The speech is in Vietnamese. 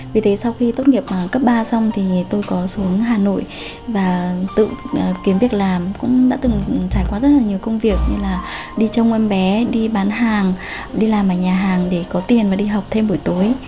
vì thế sau khi tốt nghiệp cấp ba xong thì tôi có xuống hà nội và tự kiếm việc làm cũng đã từng trải qua rất là nhiều công việc như là đi trông em bé đi bán hàng đi làm ở nhà hàng để có tiền và đi học thêm buổi tối